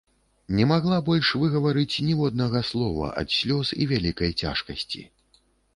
Не магла больш выгаварыць ніводнага слова ад слёз і вялікай цяжкасці.